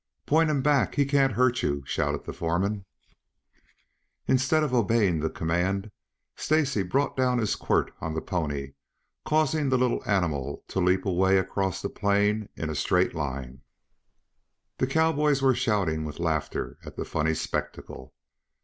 "Point him back! He can't hurt you!" shouted the foreman. Instead of obeying the command, Stacy brought down his quirt on the pony, causing the little animal to leap away across the plain in a straight line. The cowboys were shouting with laughter at the funny spectacle.